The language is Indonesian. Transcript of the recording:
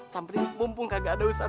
sampai mumpung kagak ada usap somat